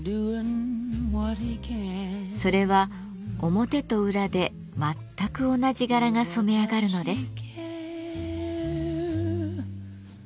それは表と裏で全く同じ柄が染め上がるのです。